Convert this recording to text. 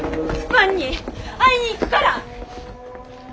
ファンに会いに行くから！